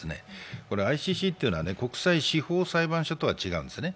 ＩＣＣというのは国際司法裁判所とは違うんですね。